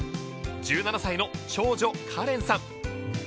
１７歳の長女夏蓮さん